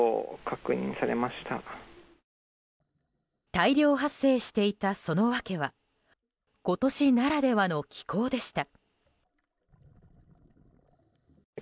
大量発生していた、その訳は今年ならではの気候でした。